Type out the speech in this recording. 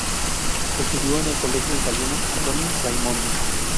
Estudió en el Colegio Italiano Antonio Raimondi.